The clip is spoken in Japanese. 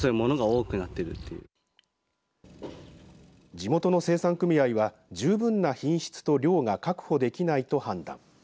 地元の生産組合は十分な品質と量が確保できないと判断。